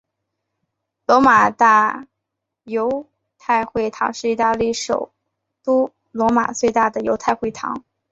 罗马大犹太会堂是意大利首都罗马最大的犹太会堂。